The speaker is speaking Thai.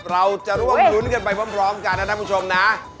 เราจะร่วมรุ้นกันไปพร้อมกันนะท่านผู้ชมนะ